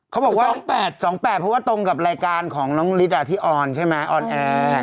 บอกว่า๒๘๒๘เพราะว่าตรงกับรายการของน้องฤทธิ์ที่ออนใช่ไหมออนแอร์